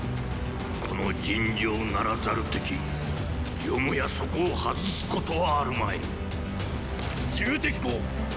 この尋常ならざる敵よもやそこを外すことはあるまい戎公！